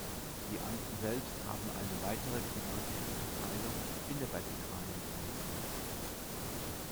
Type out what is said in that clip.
Die Anden selbst haben eine weitere klimatische Unterteilung in der vertikalen Dimension.